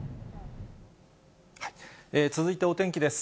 続いてお天気です。